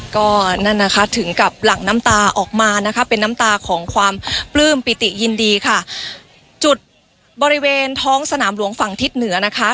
ก็นั่นนะคะถึงกับหลังน้ำตาออกมานะคะเป็นน้ำตาของความปลื้มปิติยินดีค่ะจุดบริเวณท้องสนามหลวงฝั่งทิศเหนือนะคะ